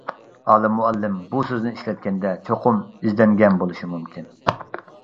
ئالىم مۇئەللىم بۇ سۆزنى ئىشلەتكەندە چوقۇم ئىزدەنگەن بولۇشى مۇمكىن.